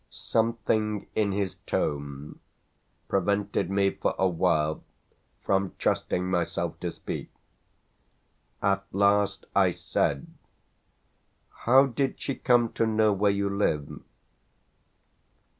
Something in his tone prevented me for a while from trusting myself to speak. At last I said: "How did she come to know where you live?"